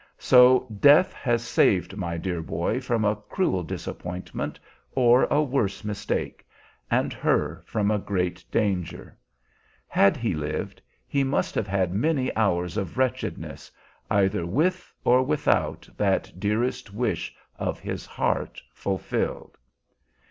So death has saved my dear boy from a cruel disappointment or a worse mistake, and her from a great danger. Had he lived, he must have had many hours of wretchedness, either with or without that dearest wish of his heart fulfilled.